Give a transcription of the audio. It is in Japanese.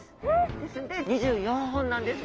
ですので２４本なんですね。